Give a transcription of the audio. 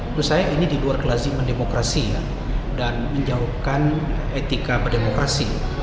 menurut saya ini di luar kelaziman demokrasi dan menjauhkan etika berdemokrasi